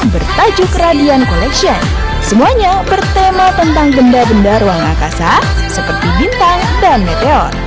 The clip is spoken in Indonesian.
bertajuk radian collection semuanya bertema tentang benda benda ruang angkasa seperti bintang dan meteor